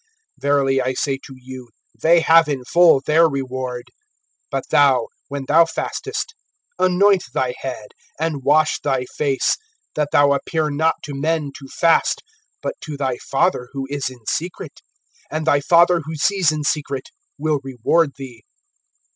Verily I say to you, they have in full their reward. (17)But thou, when thou fastest, anoint thy head, and wash thy face; (18)that thou appear not to men to fast, but to thy Father who is in secret; and thy Father who sees in secret will reward thee.